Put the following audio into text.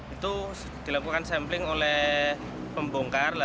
itu dilakukan sampling oleh pembongkar